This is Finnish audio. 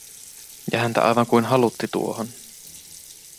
Ja häntä aivan kuin halutti tuohon.